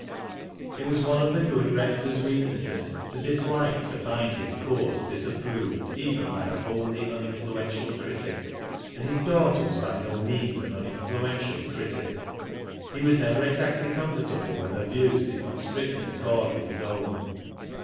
It wae one ci 64 TEAT LASS 0' LOWSISTS the gjod rector's weaknesses, to dislike tci find his. coursi disapproved even by a wholly uninfluential critic, and hii daughter was by no means an uninfluential critic. De was never exactly comfortable when her views did not strictly accord with his own.